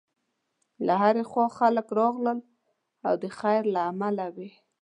له هرې خوا خلک راغلل او د خیر له امله وې.